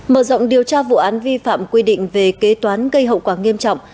mở rộng điều tra vụ án vi phạm quy định về kế toán gây hậu quả nghiêm trọng